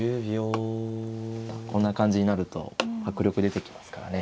こんな感じになると迫力出てきますからね。